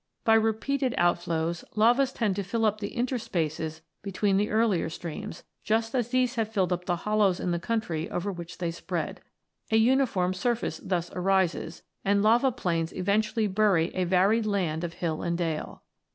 By repeated outflows, lavas tend to fill up the interspaces between the earlier streams, just as these have filled up the hollows in the country over which they spread. A uniform surface thus arises, and lava plains eventually bury a varied land of hill and dale.